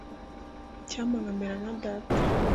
Icyampa nkamera nka data.